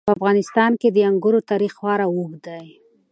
په افغانستان کې د انګورو تاریخ خورا اوږد دی.